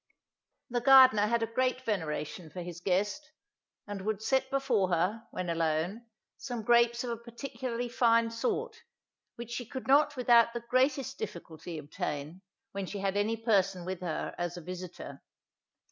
The gardener had a great veneration for his guest, and would set before her, when alone, some grapes of a particularly fine sort, which she could not without the greatest difficulty obtain, when she had any person with her as a visitor.